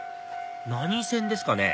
何線ですかね？